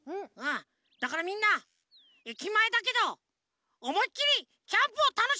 だからみんな駅前だけどおもいっきりキャンプをたのしむぞ！